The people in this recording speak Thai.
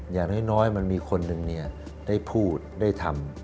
อย่างน้อยมันมีคนหนึ่งได้พูดได้ทำ